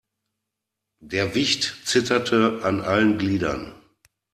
Der Wicht zitterte an allen Gliedern.